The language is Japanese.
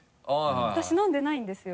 私飲んでないんですよ。